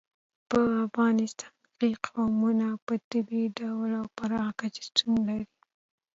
په افغانستان کې قومونه په طبیعي ډول او پراخه کچه شتون لري.